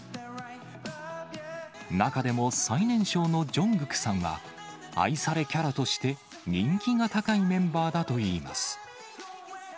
中でも、最年少のジョングクさんは愛されキャラとして人気が高いメンバーだといいます。